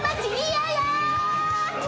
嫌や。